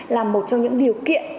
là một trong những điều kiện